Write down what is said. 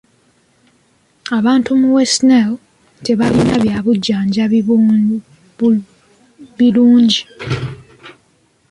Abantu mu West Nile tebalina bya bujjanjabi birungi.